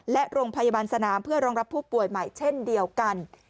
และโรงพยาบาลสนามเพื่อรองรับผู้ป่วยใหม่เช่นเดียวกัน